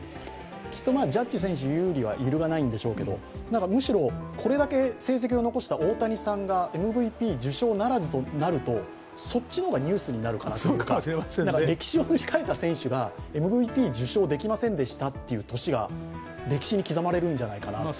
きっとジャッジ選手有利は揺るがないんでしょうけどむしろこれだけ成績を残した大谷さんがＭＶＰ受賞ならずとなるとそっちの方がニュースになるかなというか、歴史を塗り替えた選手がＭＶＰ受賞できませんでしたという年が歴史に刻まれるんじゃないかなと。